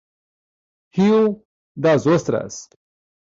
Rio das Ostras